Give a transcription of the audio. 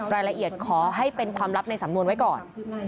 รายละเอียดขอให้เป็นความลับในสำนวนไว้ก่อน